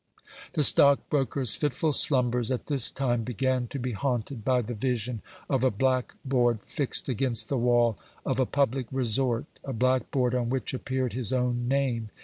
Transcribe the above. The stockbroker's fitful slumbers at this time began to be haunted by the vision of a black board fixed against the wall of a public resort, a black board on which appeared his own name.